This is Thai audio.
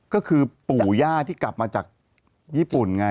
ก็คือปู่ย่าที่กลับมาจากญี่ปุ่นไง